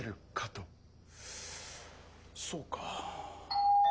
・そうか。